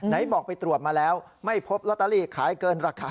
ไหนบอกไปตรวจมาแล้วไม่พบลอตเตอรี่ขายเกินราคา